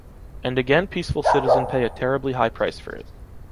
And again peaceful citizen pay a terribly high price for it.